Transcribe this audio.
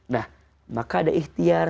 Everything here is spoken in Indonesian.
nah maka ada ihtiar